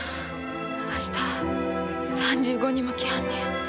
明日３５人も来はんねん。